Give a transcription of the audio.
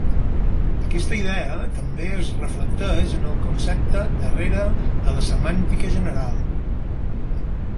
Aquesta idea també es reflecteix en el concepte darrere de la semàntica general.